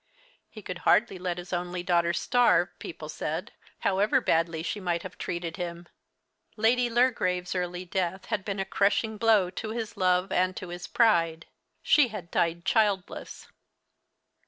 He could hardly let his only daughter starve, people said, however badly she might have treated him. Lady Lurgrave's early death had been a crushing blow to his love and to his pride. She had died childless.